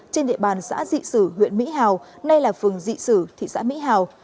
trên địa bàn xã dị sử huyện mỹ hào nay là phường dị sử thị xã mỹ hào